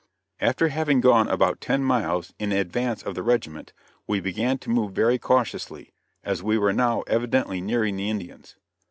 After having gone about ten miles in advance of the regiment, we began to move very cautiously, as we were now evidently nearing the Indians.